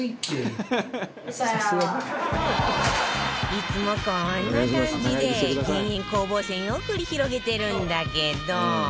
いつもこんな感じで減塩攻防戦を繰り広げてるんだけど